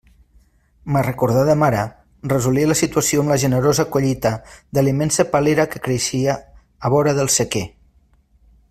Ma recordada mare resolia la situació amb la generosa collita de la immensa palera que creixia a vora del sequer.